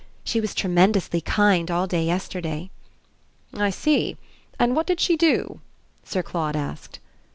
She was tremendously kind all day yesterday." "I see. And what did she do?" Sir Claude asked.